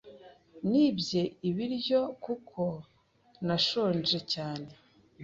Nibye ibiryo kuko nashonje cyane.